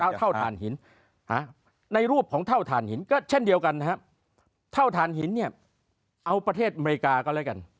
เอาเท่าฐานหินในรูปของเท่าฐานหินก็เช่นเดียวกันนะครับเท่าฐานหินเนี่ยเอาประเทศอเมริกาก็แล้วกัน